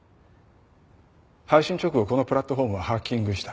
配信直後このプラットフォームをハッキングした。